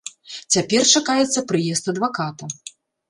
Цяпер чакаецца прыезд адваката.